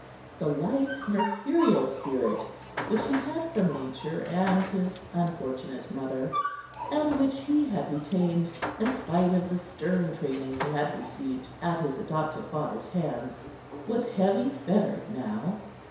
The light, mercurial spirit which he had from nature and his unfortunate mother, and which he had retained in spite of the stern training he had received at his adoptive father's hands, was heavy fettered now.